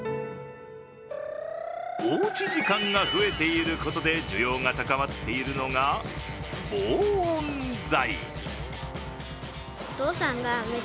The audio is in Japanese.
おうち時間が増えていることで需要が高まっているのが、防音材。